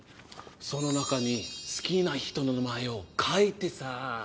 その中に好きな人の名前を書いてさ。